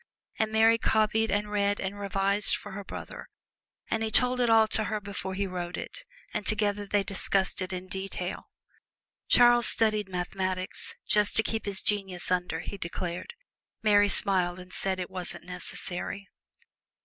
And Mary copied and read and revised for her brother, and he told it all to her before he wrote it, and together they discussed it in detail. Charles studied mathematics, just to keep his genius under, he declared. Mary smiled and said it wasn't necessary.